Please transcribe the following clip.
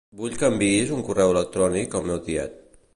Vull que enviïs un correu electrònic al meu tiet.